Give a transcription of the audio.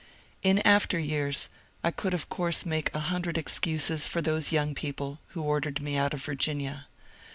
In after years I could of course make a hundred excuses for those young people who ordered me out of Virginia.